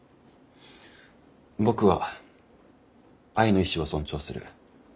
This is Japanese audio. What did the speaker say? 僕は愛の意志を尊重する。